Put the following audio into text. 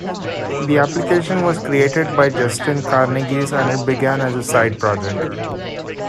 The application was created by Justin Karneges and it began as a side project.